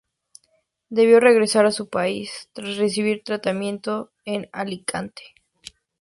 Debió regresar a su país tras recibir tratamiento en Alicante.